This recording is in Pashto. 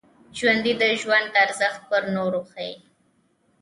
ژوندي د ژوند ارزښت پر نورو ښيي